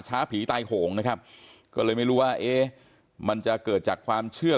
ผีตายโหงนะครับก็เลยไม่รู้ว่าเอ๊ะมันจะเกิดจากความเชื่อ